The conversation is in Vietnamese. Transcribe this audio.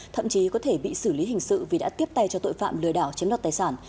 thậm chí có thể bị xử lý hình sự vì đã tiếp tay cho tội phạm lừa đảo chiếm đoạt tài sản